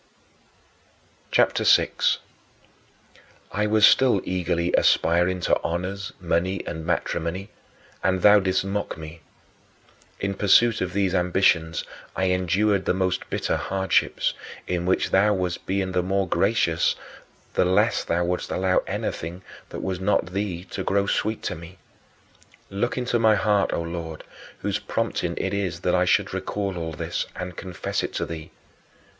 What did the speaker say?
CHAPTER VI 9. I was still eagerly aspiring to honors, money, and matrimony; and thou didst mock me. In pursuit of these ambitions I endured the most bitter hardships, in which thou wast being the more gracious the less thou wouldst allow anything that was not thee to grow sweet to me. Look into my heart, O Lord, whose prompting it is that I should recall all this, and confess it to thee.